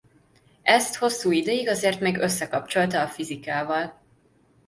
Ezt hosszú ideig azért még összekapcsolta a fizikával.